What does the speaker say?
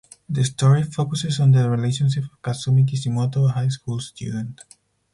The story focuses on the relationships of Kasumi Kishimoto, a high school student.